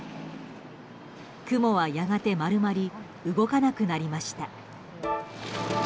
クモはやがて丸まり動かなくなりました。